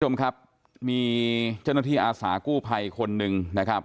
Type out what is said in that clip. คุณผู้ชมครับมีเจ้าหน้าที่อาสากู้ภัยคนหนึ่งนะครับ